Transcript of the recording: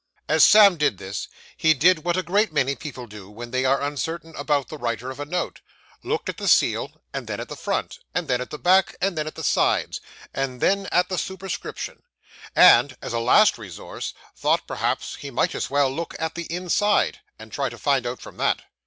As Sam said this, he did what a great many people do when they are uncertain about the writer of a note looked at the seal, and then at the front, and then at the back, and then at the sides, and then at the superscription; and, as a last resource, thought perhaps he might as well look at the inside, and try to find out from that.